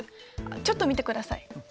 ちょっと見てください。